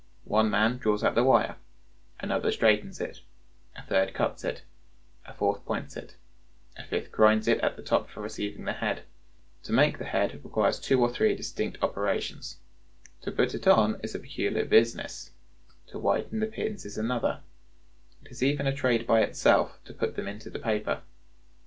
One man draws out the wire, another straights it, a third cuts it, a fourth points it, a fifth grinds it at the top for receiving the head; to make the head requires two or three distinct operations; to put it on, is a peculiar business; to whiten the pins is another; it is even a trade by itself to put them into the paper....